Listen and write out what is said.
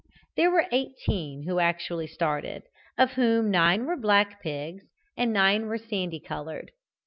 There were eighteen who actually started, of whom nine were black pigs and nine sandy coloured.